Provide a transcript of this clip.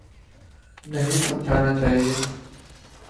نہیں سمجھانا چاہیے۔